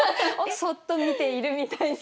そっと見ているみたいな。